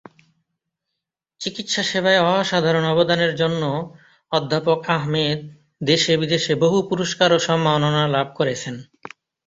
চিকিৎসাসেবায় অসাধারণ অবদানের জন্য অধ্যাপক আহমেদ দেশে-বিদেশে বহু পুরস্কার ও সম্মাননা লাভ করেছেন।